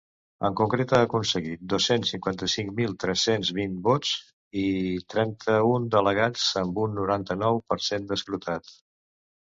En concret, ha aconseguit dos-cents cinquanta-cinc mil tres-cents vint vots i trenta-un delegats, amb un noranta-nou per cent escrutat.